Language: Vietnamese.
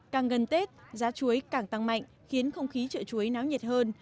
càng gần tết giá chuối càng tăng mạnh khiến không khí chợ chuối náo nhiệt hơn